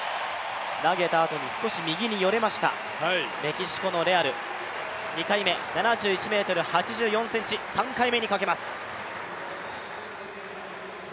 投げたあとに少し右によれました、メキシコのレアル、２回目７１ｍ８１ｃｍ、３回目にかけます。